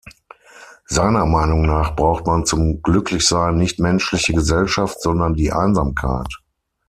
Seiner Meinung nach braucht man zum Glücklichsein nicht menschliche Gesellschaft, sondern die Einsamkeit.